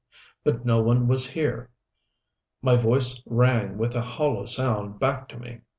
But no one was here. My voice rang with a hollow sound back to me.